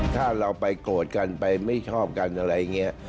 ถ้าเราไปโกรธกันไปไม่ชอบกันอะไรอย่างนี้